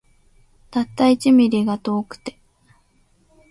たった一ミリが遠くて